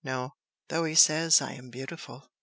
no! though he says I am beautiful!"